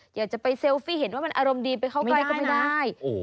อยากจะไปเซลฟี่เห็นว่ามันอารมณ์ดีไปเข้าใกล้ก็ไม่ได้